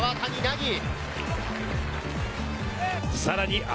さらに。